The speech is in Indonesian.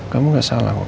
kamu gak salah wak